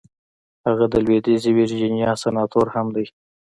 هغه د لويديځې ويرجينيا سناتور هم دی.